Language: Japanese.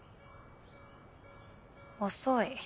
遅い。